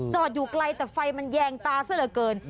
อยู่ไกลแต่ไฟมันแยงตาซะเหลือเกิน